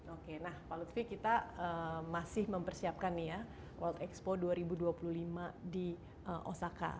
oke nah pak lutfi kita masih mempersiapkan nih ya world expo dua ribu dua puluh lima di osaka